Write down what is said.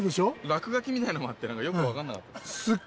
落書きみたいなのもあってよくわからなかったです。